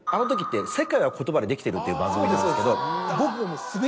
『世界は言葉でできている』っていう番組なんですけど。